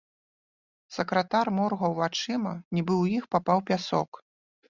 Сакратар моргаў вачыма, нібы ў іх папаў пясок.